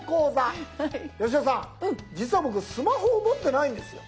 八代さん実は僕スマホを持ってないんですよ。